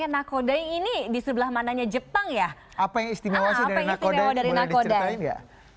yang nakodai ini di sebelah mananya jepang ya apa yang istimewa dari nakodai nakodai itu sebenarnya